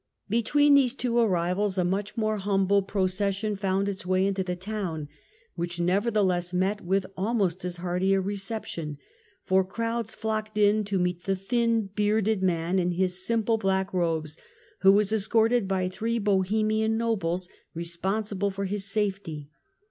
Between these two arrivals a much more humble pro cession found its way into the town, which nevertheless met with almost as hearty a reception, for crowds flocked to meet the thin, bearded man in his simple black robes, who was escorted by three Bohemian nobles responsible for his safety.